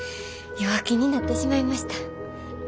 弱気になってしまいました。